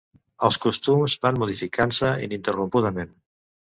Els costums van modificant-se ininterrompudament.